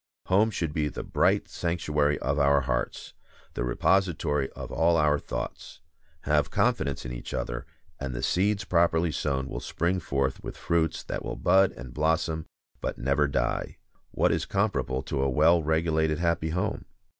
Home should be the bright sanctuary of our hearts, the repository of all our thoughts. Have confidence in each other, and the seeds properly sown will spring forth with fruits that will bud and blossom, but never die. What is comparable to a well regulated, happy home?